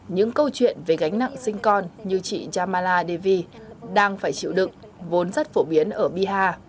những câu chuyện về gánh nặng sinh con như chị jamala devi đang phải chịu đựng vốn rất phổ biến ở bihar